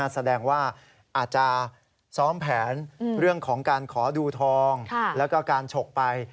แสดงว่าอาจจะซ้อมแผนเรื่องของการขอดูทองแล้วก็การฉกไป